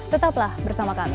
tetaplah bersama kami